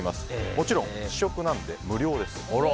もちろん試食なので無料です。